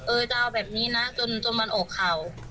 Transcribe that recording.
จะเอาแบบนี้นะจนมันออกข่าว